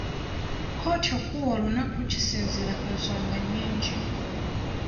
Kkooti okuwa olunaku kisinziira ku nsonga nnyingi.